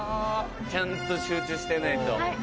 ちゃんと集中してないと。